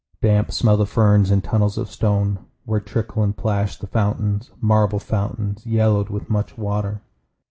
Damp smell the ferns in tunnels of stone, Where trickle and plash the fountains, Marble fountains, yellowed with much water.